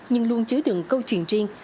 nhưng luôn chứa đựng câu chuyện riêng